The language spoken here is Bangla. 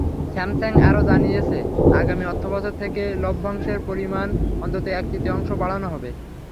স্যামসাং আরও জানিয়েছে, আগামী অর্থবছর থেকে লভ্যাংশের পরিমাণ অন্তত এক-তৃতীয়াংশ বাড়ানো হবে।